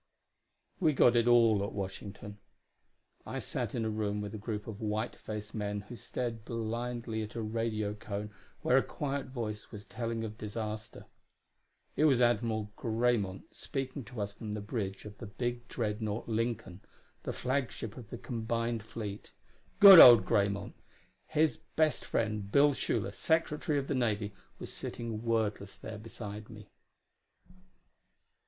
We got it all at Washington. I sat in a room with a group of white faced men who stared blindly at a radiocone where a quiet voice was telling of disaster. It was Admiral Graymont speaking to us from the bridge of the big dreadnaught, Lincoln, the flagship of the combined fleet. Good old Graymont! His best friend, Bill Schuler, Secretary of the Navy, was sitting wordless there beside me.